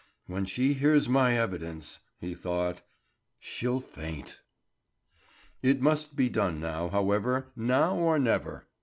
"When she hears my evidence," he thought, "she'll faint." It must be done now, however, now or never.